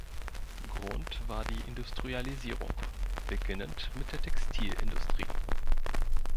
Grund war die Industrialisierung, beginnend mit der Textilindustrie.